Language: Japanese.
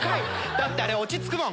だってあれ落ち着くもん。